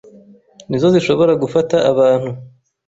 nizo zishobora gufata abantu